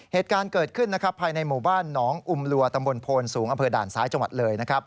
เหตุการณ์เกิดขึ้นภายในหมู่บ้านหนองอุมลัวตำบลโพนสูงอำเภอด่านซ้ายจังหวัดเลย